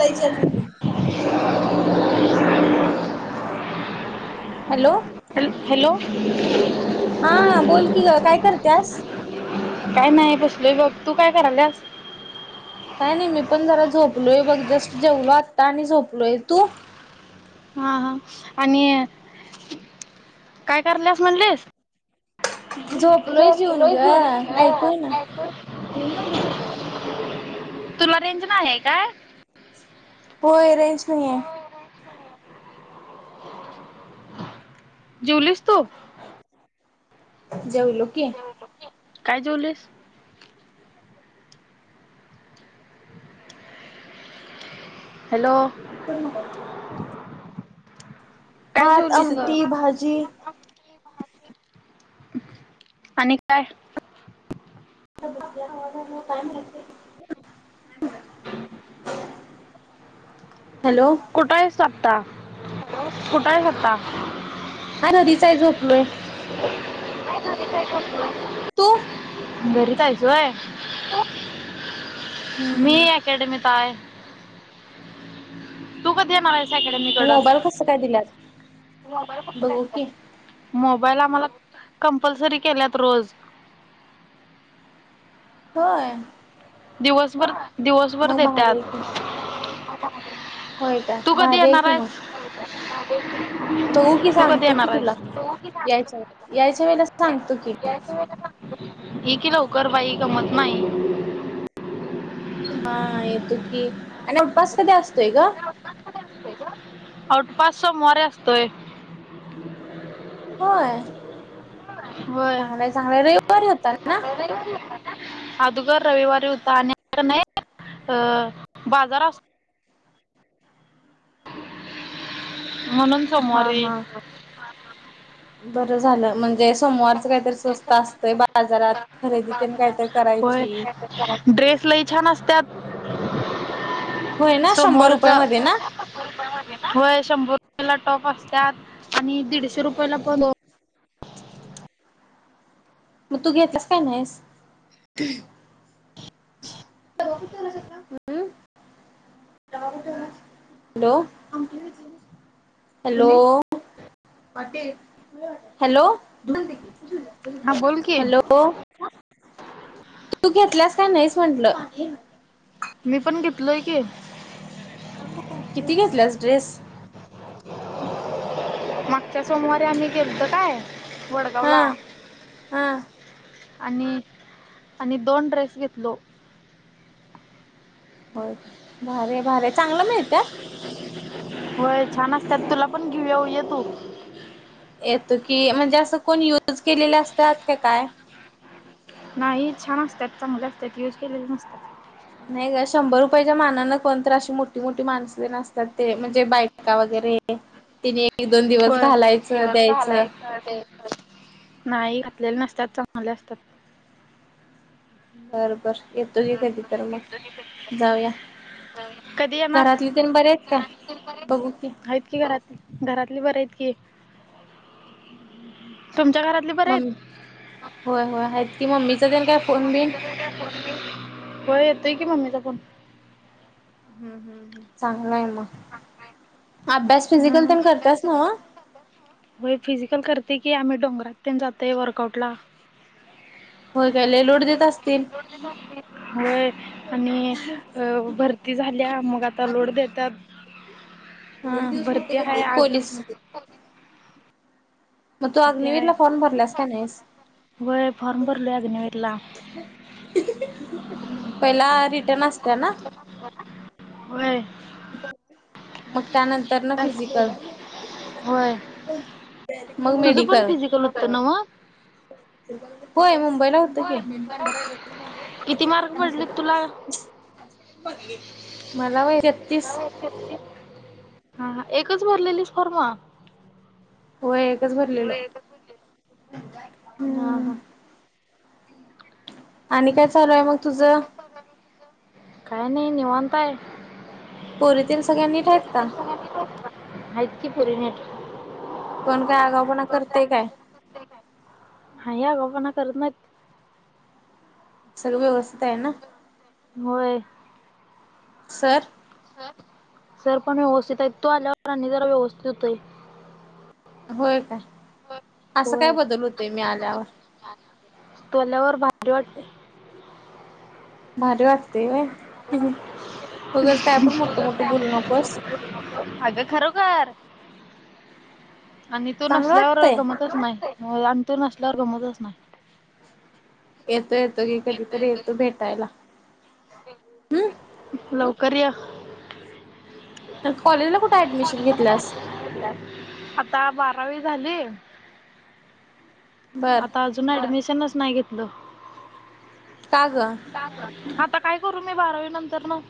काय चालु यती. Hello. Hello. हा बोल कि ग काय करत्यास. काय नाही बसले गप. तू काय करायलस. काय नाही मी पण जरा झोपलोय बघ. जस्ट जेवलो आत्ता आणि झोपलोय तू हा, हा आणि काय करल्यास म्हणलेस. जेऊन झोपलोय ग घेऊन का? ऐकू येईना काय तुला रेंजन नाय हाय काय? होय रेंज नाही हे. [inaudible] जुवलीस तू.? जेऊलो की. काय जेऊलेस. हॅलो. करुन पहा. [inaudible] भात, जेवलीस ग आमटी, भाजी, आणि काय? कायम [inaudible] हम [inaudible] हॅलो. कुठायस तु आता? कुठय आता? हा न दीसा ही झोपलोय. फयना काय ठ [unintelligible] तू घरीच हाय जो व्हय. मी हम्म अकॅडमीत हाय. तू कधी येणार हाये? मोबाईल कस काय दिलात? मोबाईल कसा काय दिला. मोबाईल आम्हाला कंपल्सरी केल्यात रोज. होय. दिवसभर, दिवसभर मग भारी आहे देत्यात. की होय काय तू कधी भारी हाय येणार की मग आहेस बघू की तू कधी सांगतो की येणार तुला आहेस यायच्या यायच्या वेळेला सांगतो की ई कि लवकर बाई गमत नाही हा येतो की आणि उपस कधी असतोय ग उपवास कधी असतोय ग उपवास सोमवारी असतोय. होय चागलं हाय चागलं हाय रविवारी होता ना रविवारी होता ना आदोगर रविवारी होता. आणि आता कनय बाजार असतो [inaudible] म्हणून हा सोमवारी हा हा बरं झालं म्हणजे सोमवारच काहीतरी स्वस्त असतंय बाजारात खरेदी तेन काय तर होय करायची. ड्रेस लई छान असत्यात. होय ना शंभर सोमवारच रुपया मध्ये ना होय शंभर रुपयाला टॉप असत्यात आणि दीडशे रुपयेला पण दोन मग तू घेत्यास काय नाहीस परवा पण त्याला घेतला हॅलो हॅलो हॅलो हॅलो. हा बोल की तू घेतल्यास काय नाहीस म्हंटलं. मी पण घेतलोय की किती घेतलेस ड्रेस मागच्या सोमवारी आम्ही गेलतो काय हा वडगावला. हा आणि आणि दोन ड्रेस घेतलो. होय भारी हाय भारी हाय चागलं मिळत्यात. होय छान असत्यात तुला पण घेऊयाऊ ये तू येतो की म्हणजे असं कोण युज केलेले असत्यात का काय नाही छान असत्यात चांगली असत्यात यूज केलेली नसत्यात. नाही ग शंभर रुपयाच्या मानानं कोण तर अशी मोठी मोठी माणसं तेन असत्यात ते म्हणजे बायका वगैरे त्येनी एक एक दोन दिवस घालायचं द्यायचं हा द्यायच. नाही घातलले नसत्यात चांगली असत्यात. बर बर येतो घे कधी तर मग जाऊया. कधी येणार घरातली तेन बरी हायत काय बघू की आहेत की घरातली घरातली बरी आहेत की तुमच्या घरातली बरी आहेत. मम्मी होय होय आहेत की मम्मीचा तेन काय आमची फोन मम्मी बिन [inaudible] मम्मी होय येतय की मम्मीला पण हम हम चांगल हाय म अभ्यास फिजिकल हम्म तेन अभ्यास करत्यास न्हव फिजिकल पण करतात नव्ह होय फिजिकल करते की आम्ही डोंगरात तेन जातोय वर्कआउटला. होय काय लय लोड देत असतील. होय आणि अ भरती झाल्या मग आता लोड देत्यात हम एक दिवस भरतय काय ते. आग पोलिस मधे म तू अग्निवीरला फॉर्म भरल्यास काय नाहीस व्हय फॉर्म भरलोय आग्निवीरला. पहिला रिटर्न असते ना? होय. मग त्यानंतरनं फिजिकल. होय. मग तुझ पण मेडिकल फिजिकल होतं नव्हं? होय मुंबईला होतं की. किती मार्क पडलेत तुला मला व्हंय तेत्तीस. हा हा. एकच भरलेलीस फॉर्म? होय एकच भरलेलो. हा हम्म हा. आणि काय चालूये मग तुझं? काय नाही निवांताय. पोरीतेण सगळ्यां नीठ हायेत का? हाईत की पोरी निट. कोण काय आगाऊपणा करतंय काय? काही आगाऊपणा करत नाही. सगळं व्यवस्थित हाय ना? होय. सर. सर पण व्यवस्थित आहित. तू आल्यावर आणि जरा व्यवस्थित होतोय. होय काय? असं काय होय बदल होतेय मी आल्यावर? तू आल्यावर भारी वाटतंय. भारी वाटतंय होय. [inaudible] मोठं बोलू नकोस अग खरं बर, आणि तू चांगलं नसल्यावर वाटतंय गंमतचं नाही. होय आण तू नसल्यावर गंमतचं नाय. येतो येतो की, धीतरी येतो भेटायला. हम्म लवकर य. तर कॉलेजला कुठे ऍडमिशन घेतलीयास? आता बारावी झाली. बर आता अजू जून ऍडमिशनच नाही घेतलो. का गं? आता काय करू मी बारावी नंतर नं?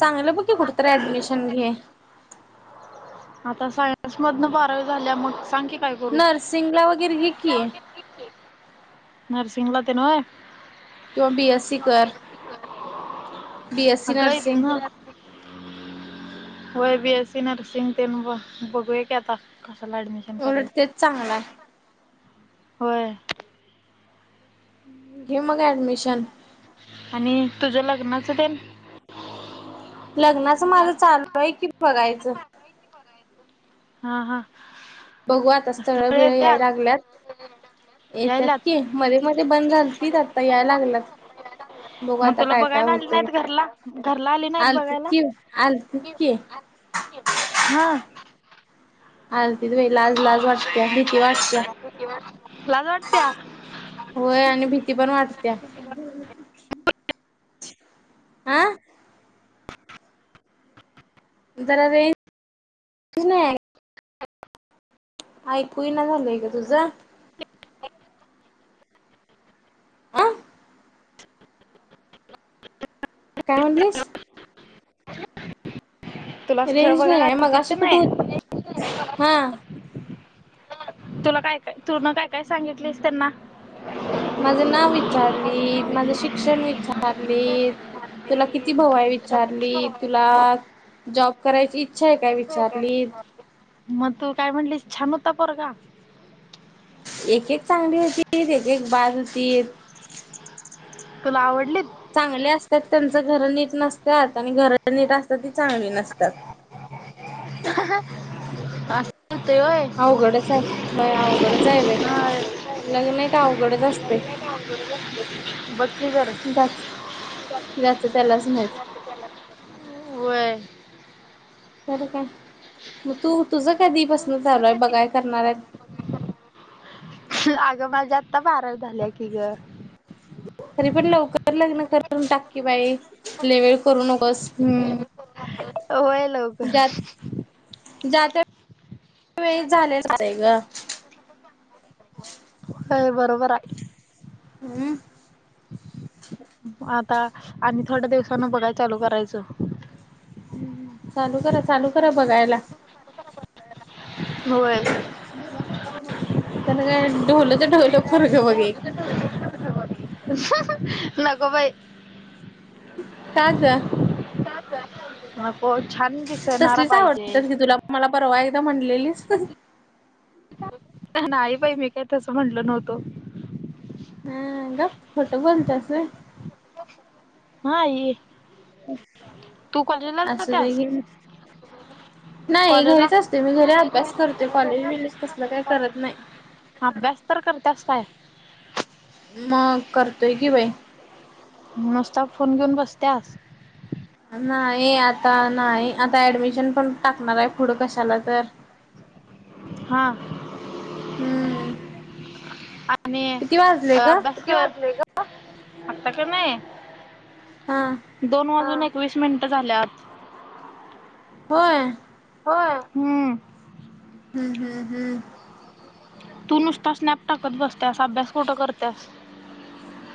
चांगलं बघ की कुठंतर ऍडमिशन घे. आता सायनस मधन बारावी झालीया मग सांग की काय करू? नर्सिंगला वगैरे घे की. घे की. नर्सिंगलातेन व्हंय? किवां बी एस सी कर. बीएससी अगं नर्सिंग इतनं. व्हय बी एस सी नर्सिंग. तेच बघूया कि आता. कसाला अँडमिशन उलट तेच चांगलाय. होय. घे मग ऍडमिशन. आणि तुझ्या लग्नाचं तेण? लग्नाचं माझं चालू हाय कि बघायचं. हा हा. बघू आता स्थळ स्थळं-बिळं याय येत्यात लागल्यात येत्यात यायल्यात की मध्ये-मध्ये बंद झालतीत आता याय लागल्यात. बघू मग आता तुला काय काय बघायला आली होतय नाहीत घरला घरला आली नाहीत आलतीत बघायला की आलतीत की. कीव हा. आलतीत बई लाज लाज वाटत्या भीती वाटत्या. [unintelligible] लाज वाटत्या? होय आणि भीती पण वाटत्या. आं. जरा रेन ऐकू ही ना झालंय गं तुझा. अ काय म्हटलीस? तुला स्थळ रेंज नाही बघायला आहे आलतीत मगाशी का कुठे नाही हो हा. तुला काय काय तुनं काय काय सांगितलीस त्यांना? माझं नाव विचारली माझा विचारलीत. तुला किती भाऊ आहे विचारली तुला जॉब करायची इच्छा आहे काय विचारलीत मग तू काय म्हटलीस छान होता पोरगा? एक-एक चांगली होतीत एक एक बाज होतीत. तुला आवडलीत? चांगले असत्यात त्यांचा घर नीट नसत्यात आणि घर नीट असत्यात ती चांगली नसत्यात. अस अवघडच आहे होय हा अवघडच आहे बाई. होय लग्ने का अवघडच असते. [unintelligible] बघ की जरा. ज्याच ज्याचं त्यालाच माहित. [unintelligible] वय. तर काय म तू तुझं कधी पासनं चालू आहे बघाय करणार आहे? अगं माझ्या आत्ता बारावी झाल्या की गं. तरीे पण लवकर लग्न करून टाककी बाई ले वेळ करू नकोस. होय लवकर जाते वेळी झालेेलच आहे गं. होय बरोबर आहे. ह हम्म. आता आणि थोड्या दिवसानं बघाय चालू करायचं. हम्म हम्म चालू करा चालू करा बघायला. होय. त्याने काय ढोलं ते ढवलं पोरगं बघे. [unintelligible] नको बाई. का गं नको छान [unintelligible] दिसणारा तसलीच पाहिजे आवडतीत की तुला मला परवा एकदा म्हटलेलीस नाही बाई मी काय तसं म्हटलं नव्हतो. हम्म गप खोटं बोलत्यास वय. हा इय असुदे जात्यास घे. नाही कॉलेजला घरीच असते मी, घरी अभ्यास करते कॉलेज बीलेज कसला काही करत नाही. ह अभ्यास तर करतेस काय? मग करतोय कि बाई! नस्ता फोन घेऊन बसत्यास. अं नाई आता नाई आता ऍडमिशन पण टाकणाराय पुढं कशाला तर, [unintelligible] हा हम्म आणी किती वाजले ग अभ्यास केला [inaudible] आत्ता का नाय हा दोन वाजून एकवीस मिंटं झाल्यात. होय हो हम हम हम हम तू नुसता स्नॅप टाकत बसत्यास, अभ्यास कोठं करत्यास?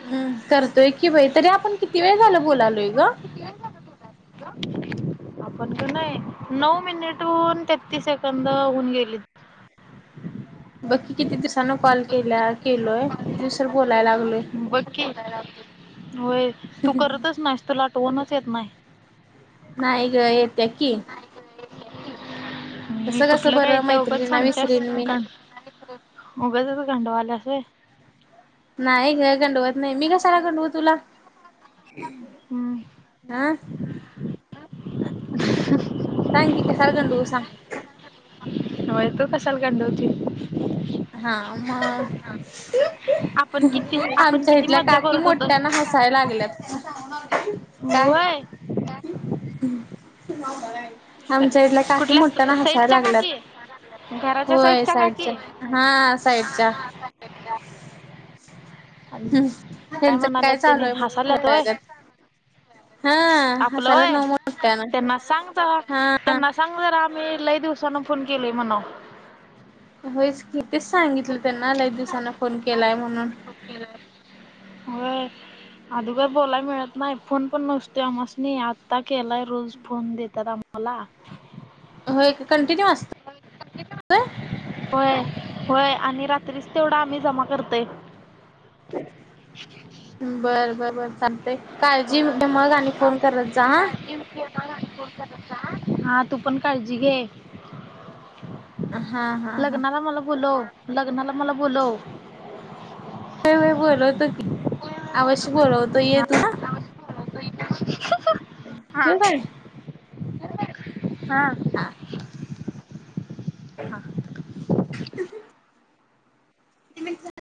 हम करतोय कि बाई, तरी आपण किती वेळ करतोय झालं कि बाई बोलालोय ग. तरी आपण [inaudible] आपण का नाय नऊ मिनिटहून तेहतीस सेकंद होऊन गेलीत. बक्की किती दिवसांन कॉल केल्या केलोय किती उशीर बोलाय लागलोय. बघ की होय, तू करतंच नायस तुला आठवणच येत नाय. नाय ग येेते की, मी तसं कसं कुठलं काई बरं ईत्या उगाच मैत्रिणींना सांगतेस, विसरीन मी. उगाचच गंडवायलंस व्हय. नाई ग गंडवत नाई, मी कशाला गंडवु तुला? हम्म हह सांग की कशाला गंडवु सांग? होय तु कशाल गंडवतीस. हा मग. आपण हं किती हं आपण आमच्या किती इथल्या मज्जा काकी करत होतो. मोठ्याना हसाय लागल्यात. काय होय. [unintelligible] आमच्या इथल्या काकी कुठल्या मोठ्यान हसाय साईडच्या लागल्यात, काकी घराच्या होय साईडच्या. काकी हा साईडच्या. आणि काय त्यांचं म्हणाल्यात चालू तेंही आहे म्हणून हसायल्यात होय. खेळागत हा आपल हसायला होय, नव मोठ्यानं त्यांना सांग तवा हा त्यांना सांग जरा आम्ही लई दिवसान फोन केलोय म्हणाव, होयच कि तीच सांगितलं त्यांना लयच दिवसाांन फोन केलाय म्हणून. होय [unintelligible] अदुगर बोलाय मिळत नाय, फोन पण नसतो आमास्नी, आता केलाय रोज फोन देतात आम मला. होय की कंटिन्यू अस्तय. [unintelligible] होय होय आणि रात्रीच तेवढा आम्ही जमा करतोय. बर बरबर चालतेय, काळजी घ्या मग आणि फोन करत जा हां मला फोन करत जा हा हा तू पण काळजी घे हा हा हा लग्नाला मला बोलव लग्नाला मला बोलव व्हय व्हय बोलवतो की अवश्य बोलवतो ये तू हां हं हं ठीऊ काय हा हा हं हं [unintelligible]